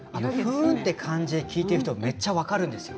ふーんという感じで聴いている人はめっちゃ分かるんですよ